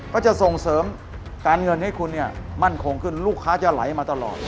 ก็จะส่งเสริมการเงินให้คุณเนี่ยมั่นคงขึ้นลูกค้าจะไหลมาตลอด